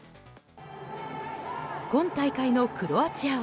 今大会のクロアチアは。